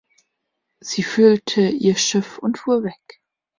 Sie füllte Ihr Schiff und fuhr weg.